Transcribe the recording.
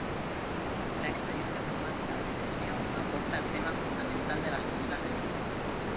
La experiencia traumática del exilio aporta el tema fundamental de las novelas de Horia.